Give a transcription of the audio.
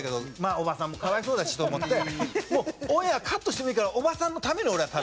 おばさんも可哀想だしと思ってオンエアカットしてもいいからおばさんのために俺は食べる。